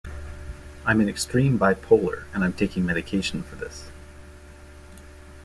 I'm an extreme bipolar, and I'm taking medication for this ...